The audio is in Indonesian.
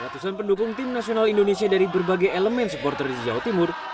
ratusan pendukung tim nasional indonesia dari berbagai elemen supporter di jawa timur